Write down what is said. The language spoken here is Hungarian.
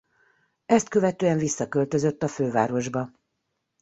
Ezt követően visszaköltözött a fővárosba.